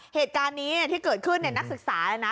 เหตุการณ์นี้ที่เกิดขึ้นนักศึกษาเลยนะ